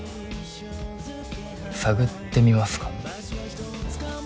探ってみますか。